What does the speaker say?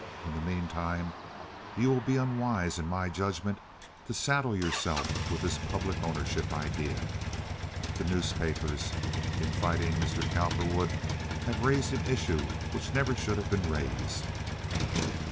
In the mean time you will be unwise, in my judgment, to saddle yourself with this public ownership idea. The newspapers in fighting Mr. Cowperwood have raised an issue which never should have been raised."